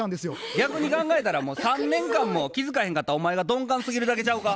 逆に考えたらもう３年間も気付かへんかったお前が鈍感すぎるだけちゃうか？